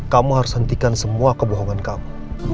kamu harus hentikan semua kebohongan kamu